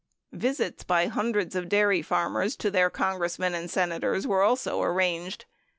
Visits by hundreds of dairy farmers to their Con gressmen and Senators were also arranged.